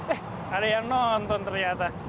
eh ada yang nonton ternyata